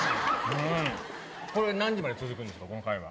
これ、何時まで続くんですか？